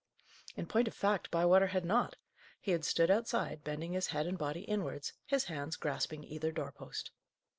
In point of fact, Bywater had not. He had stood outside, bending his head and body inwards, his hands grasping either door post.